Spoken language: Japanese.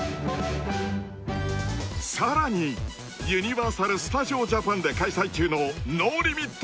［さらにユニバーサル・スタジオ・ジャパンで開催中のＮＯＬＩＭＩＴ！